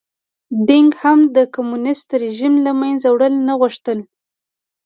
دینګ هم د کمونېستي رژیم له منځه وړل نه غوښتل.